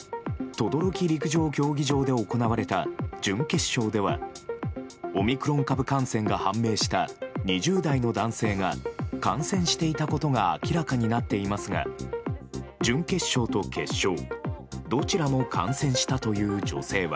等々力陸上競技場で行われた準決勝ではオミクロン株感染が判明した２０代の男性が観戦していたことが明らかになっていますが準決勝と決勝どちらも観戦したという女性は。